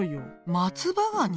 松葉ガニ？